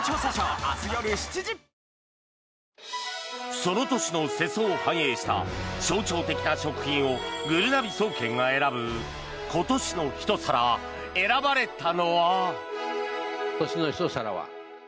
その年の世相を反映した象徴的な食品をぐるなび総研が選ぶ今年の一皿。選ばれたのは。